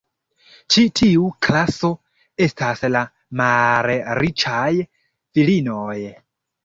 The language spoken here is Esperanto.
Ĉi tiu klaso estas la malriĉaj virinoj.